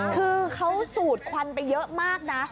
คือเขาสูดควันไปเยอะมากนะ